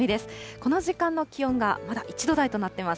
この時間の気温がまだ１度台となってます。